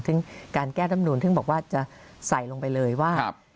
ซึ่งการแก้รำนูนซึ่งบอกว่าจะใส่ลงไปเลยว่า